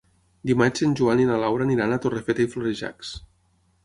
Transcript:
Dimarts en Joan i na Laura aniran a Torrefeta i Florejacs.